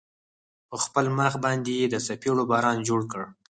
په خپل مخ باندې يې د څپېړو باران جوړ کړ.